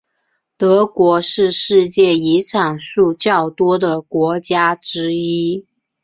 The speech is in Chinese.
德国是世界遗产数较多的国家之一。